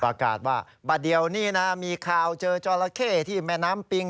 ประกาศว่าบาเดี่ยวนี่นะมีข่าวเจอจอละเข้ที่แม่น้ำปิง